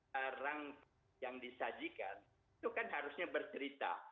barang yang disajikan itu kan harusnya bercerita